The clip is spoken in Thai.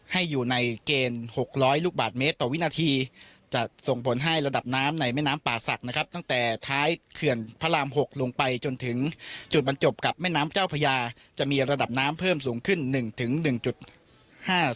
ให้อยู่ในเกณฑ์หกร้อยลูกบาทเมตรต่อวินาทีจะส่งผลให้ระดับน้ำในแม่น้ำป่าศักดิ์นะครับตั้งแต่ท้ายเขื่อนพระรามหกลงไปจนถึงจุดบรรจบกับแม่น้ำเจ้าพญาจะมีระดับน้ำเพิ่มสูงขึ้นหนึ่งถึงหนึ่งจุดห้า